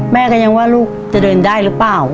แม่ก็ยังว่าลูกจะเดินได้หรือเปล่า